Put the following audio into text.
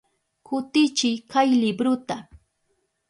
Kutichiy kay libruta.